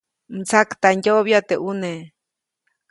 Mtsaktandyoʼbya teʼ ʼune.